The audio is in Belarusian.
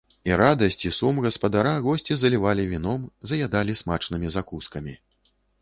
І радасць і сум гаспадара госці залівалі віном, заядалі смачнымі закускамі.